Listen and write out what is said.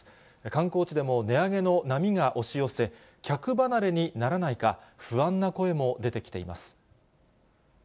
観光地でも、値上げの波が押し寄せ、客離れにならないか、不安な声も出てきています。